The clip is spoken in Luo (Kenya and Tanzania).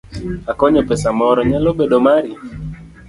Akwanyo pesa moro , nyalo bedo mari?